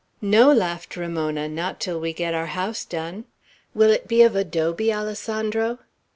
"No!" laughed Ramona, "not till we get our house done. Will it be of adobe, Alessandro?"